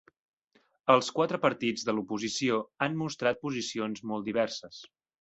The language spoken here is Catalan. Els quatre partits de l'oposició han mostrat posicions molt diverses.